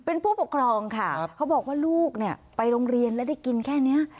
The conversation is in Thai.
เป็นผู้ปกครองค่ะเขาบอกว่าลูกเนี่ยไปโรงเรียนแล้วได้กินแค่นี้